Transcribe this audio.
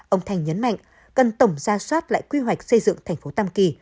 ông thành nhấn mạnh cần tổng ra soát lại quy hoạch xây dựng thành phố tam kỳ